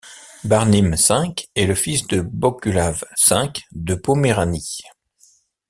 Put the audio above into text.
Barnim V est le fils de Bogusław V de Poméranie.